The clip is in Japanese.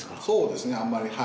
そうですねあんまり。